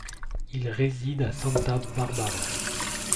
Il réside à Santa Barbara.